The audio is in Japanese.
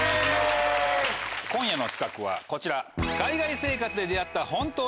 今夜の企画はこちら。